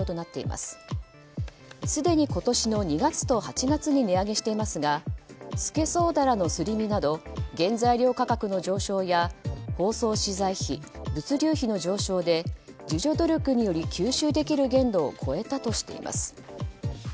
すでに今年の２月と８月に値上げしていますがスケソウダラのすり身など原材料価格の上昇や包装資材費、物流費の上昇で自助努力により吸収できる限度を超えたとしています。